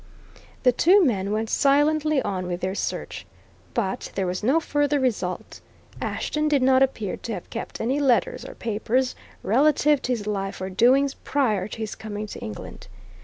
The two men went silently on with their search. But there was no further result. Ashton did not appear to have kept any letters or papers relative to his life or doings prior to his coming to England.